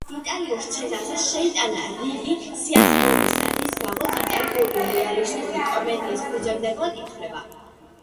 იტალიურ სცენაზე შეიტანა რიგი სიახლეებისა, რის გამოც იტალიური რეალისტური კომედიის ფუძემდებლად ითვლება.